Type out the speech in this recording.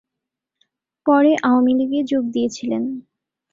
পরে আওয়ামী লীগে যোগ দিয়েছিলেন।